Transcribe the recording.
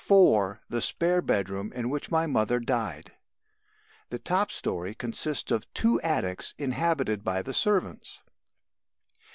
4 the spare bedroom in which my mother died. The top storey consists of two attics inhabited by the servants.